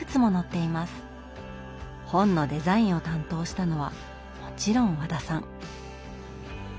本のデザインを担当したのはもちろん和田さん。